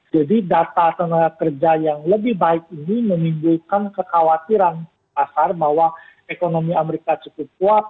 jadi data tengah kerja yang lebih baik ini memimbulkan kekhawatiran pasar bahwa ekonomi amerika cukup kuat